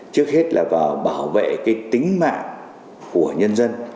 trước hết là vào bảo vệ cái tính mạng của nhân dân